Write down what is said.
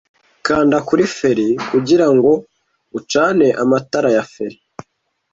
Kanda kuri feri kugirango ucane amatara ya feri.